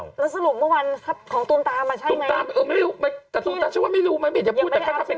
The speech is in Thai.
แล้วสรุปเมื่อวันของตูมตามาใช่ไหม